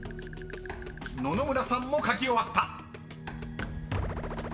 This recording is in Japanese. ［野々村さんも書き終わった］